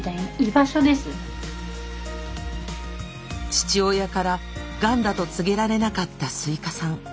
父親からがんだと告げられなかったスイカさん。